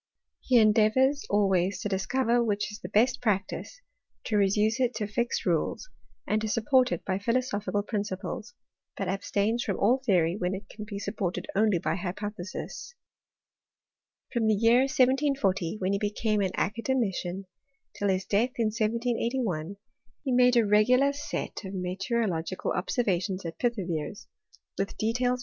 He endeavours always to discover which is the best practice, to reduce it to fixed rules, and to support it by philosophical principles ; but abstains from all theory when it can be supported only by hypothesis. From the year 1740, when he became an academi * cian, till his death in 1781, he made a regular set of meteorological observations at Pithiviers, with details THEORY IN CHBHIBTRT.